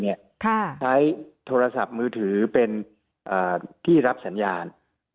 ใช้โทรศัพท์มือถือเป็นที่รับสัญญาณ